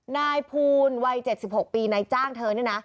นายภูลวัย๗๖ปีนายจ้างเธอนี่นะ